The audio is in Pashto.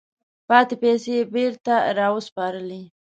پاتې پیسې یې بیرته را وسپارلې.